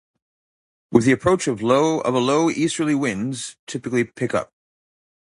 With the approach of a low, easterly winds typically pick up.